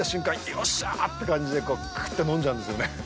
よっしゃーって感じでクーっと飲んじゃうんですよね。